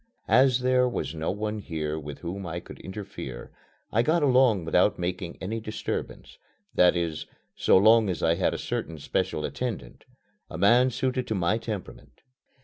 As there was no one here with whom I could interfere I got along without making any disturbance that is, so long as I had a certain special attendant, a man suited to my temperament.